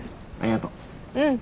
うん。